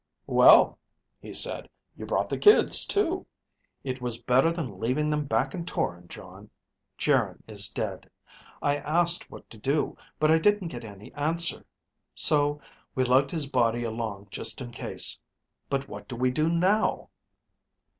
"Well," he said, "you brought the kids too." "It was better than leaving them back in Toron. Jon, Geryn is dead. I asked what to do, but I didn't get any answer. So we lugged his body along just in case. But what do we do now?"